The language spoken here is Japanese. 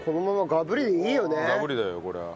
ガブリだよこれは。